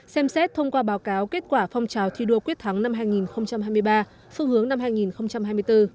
xem xét thông qua báo cáo kết quả phong trào thi đua quyết thắng năm hai nghìn hai mươi ba phương hướng năm hai nghìn hai mươi bốn